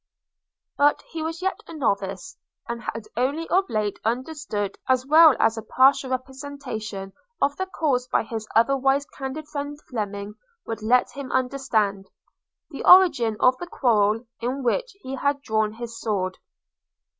But he was yet a novice; and had only of late understood, as well as a partial representation of the cause by his otherwise candid friend Fleming would let him understand, the origin of the quarrel in which he had drawn his sword.